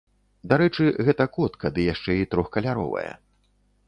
Дарэчы, гэта котка, ды яшчэ і трохкаляровая.